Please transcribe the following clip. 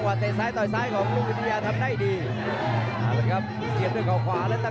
ในศึกไทยรัฐมวยไทยไฟเตอร์เดือนทางมาถึงในคู่ที่๒ของรายการผ่านไป๓ยก